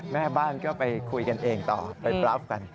แม่บ้านก็ไปคุยกันเองต่อไปปราฟกัน